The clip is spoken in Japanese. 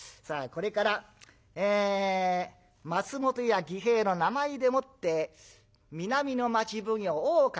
これから松本屋義平の名前でもって南の町奉行大岡